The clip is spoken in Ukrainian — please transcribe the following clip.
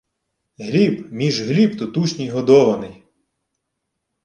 — Гліб, між Гліб тутушній годований.